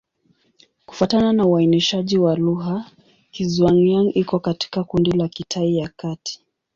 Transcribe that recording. Kufuatana na uainishaji wa lugha, Kizhuang-Yang iko katika kundi la Kitai ya Kati.